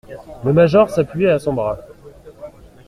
Le major s'appuyait à son bras.